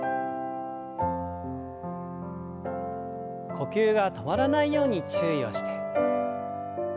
呼吸が止まらないように注意をして。